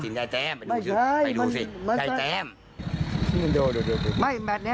บราซิลคุณนะ